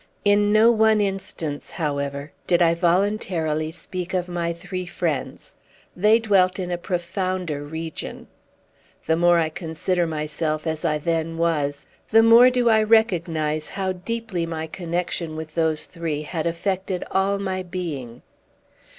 In no one instance, however, did I voluntarily speak of my three friends. They dwelt in a profounder region. The more I consider myself as I then was, the more do I recognize how deeply my connection with those three had affected all my being.